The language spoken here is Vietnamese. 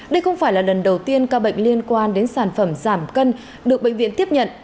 đây không phải là lần đầu tiên ca bệnh liên quan đến sản phẩm giảm cân được bệnh viện tiếp nhận